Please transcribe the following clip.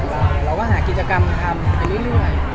เราก็หากิจกรรมทำไปเรื่อย